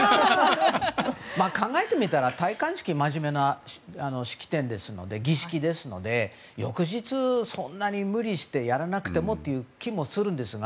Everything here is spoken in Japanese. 考えてみたら、戴冠式は真面目な式典、儀式ですので翌日、そんなに無理してやらなくてもという気もするんですが。